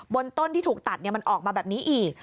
บนต้นที่ถูกตัดมันออกมาแบบนี้อีก